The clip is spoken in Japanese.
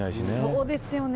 そうですよね。